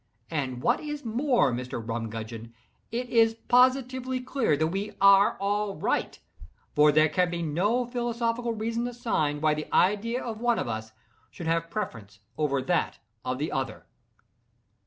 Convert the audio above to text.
And what is more, Mr. Rumgudgeon, it is positively clear that we are all right; for there can be no philosophical reason assigned why the idea of one of us should have preference over that of the other."